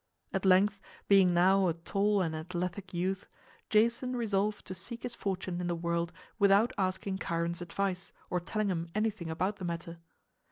At length, being now a tall and athletic youth, Jason resolved to seek his fortune in the world without asking Chiron's advice or telling him anything about the matter.